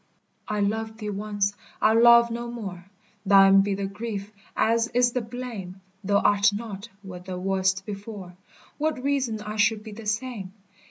I loved thee once, I'll love no more, Thine be the grief as is the blame; Thou art not what thou wast before, What reason I should be the same?